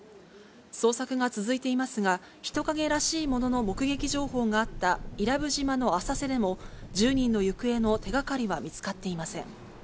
捜索が続いていますが、人影らしいものの目撃情報があった伊良部島の浅瀬でも、１０人の行方の手がかりは見つかっていません。